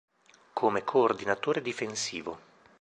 Come coordinatore difensivo